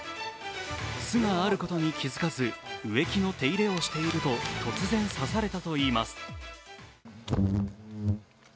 巣があることに気づかず、植木の手入れをしていると、突然刺されたといいます。